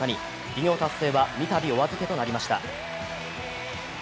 偉業達成は、三度お預けとなりました。